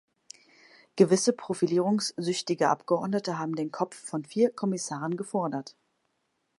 Gewisse profilierungssüchtige Abgeordnete haben den Kopf von vier Kommissaren gefordert.